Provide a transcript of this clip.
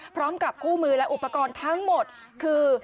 พร้อมกับคู่มือและอุปกรณ์ทั้งหมดคือ